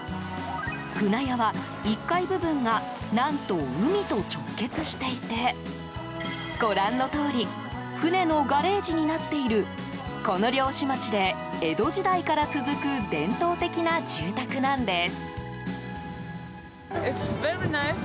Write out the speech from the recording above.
舟屋は１階部分が何と海と直結していてご覧のとおり、船のガレージになっているこの漁師町で江戸時代から続く伝統的な住宅なんです。